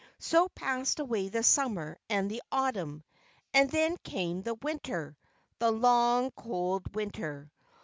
So passed away the Summer and the Autumn, and then came the Winter, the long, cold Winter.